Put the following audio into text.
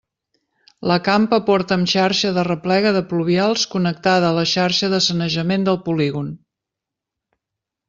La campa compta amb xarxa d'arreplega de pluvials connectada a la xarxa de sanejament del polígon.